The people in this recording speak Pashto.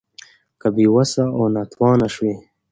که بې وسه او ناتوانه شوې